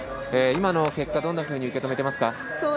今の結果、どんなふうに受け止めていますか？